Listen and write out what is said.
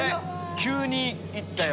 急に行ったよ。